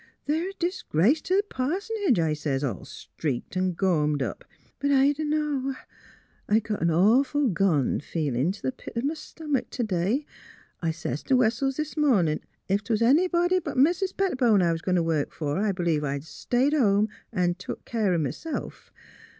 They're a disgrace t' th' pars'nage,' I sez, ' all streaked an' gormed up.' ... But I dunno; I got an awful gone feelin' t' th' pit o' my stom iek t' day. I sez t' Wessels this mornin', ef 'twas anybody but Mis' Pettibone I was goin' to work for, I b'lieve I'd stay t' home an' take care o' m'self.'